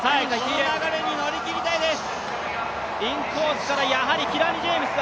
その流れに乗りきりたいです！